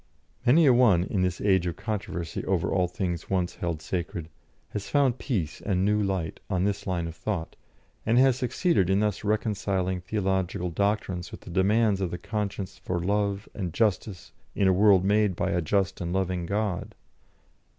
Many a one, in this age of controversy over all things once held sacred, has found peace and new light on this line of thought, and has succeeded in thus reconciling theological doctrines with the demands of the conscience for love and justice in a world made by a just and loving God.